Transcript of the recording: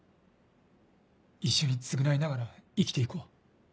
一緒に償いながら生きていこう。